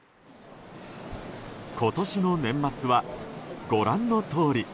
今年の年末は、ご覧のとおり。